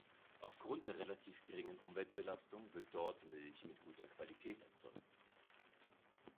Aufgrund der relativ geringen Umweltbelastung wird dort Milch mit guter Qualität erzeugt.